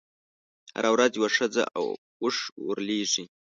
هره ورځ یوه ښځه او اوښ ورلېږي.